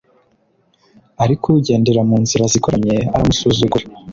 ariko ugendera mu nzira zigoramye aramusuzugura